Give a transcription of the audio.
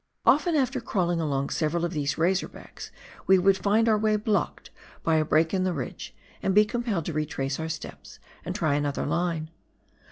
Often after crawling along several of these razor backs, we would find our way blocked by a break in the ridge and be compelled to retrace our steps and try another line.